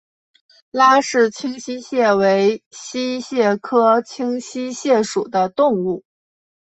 拉氏清溪蟹为溪蟹科清溪蟹属的动物。